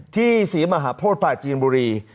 ศรีมหาโพธิปราจีนบุรี